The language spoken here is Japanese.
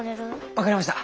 分かりました。